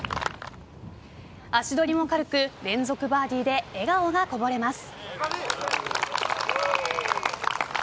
足取りも軽く連続バーディーで笑顔がこぼれます。